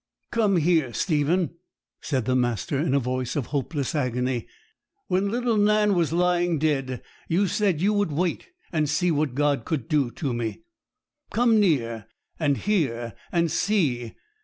'Come here, Stephen,' said the master, in a voice of hopeless agony. 'When little Nan was lying dead, you said you would wait, and see what God could do to me. Come near, and hear, and see.